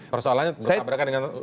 persoalannya bertabrakan dengan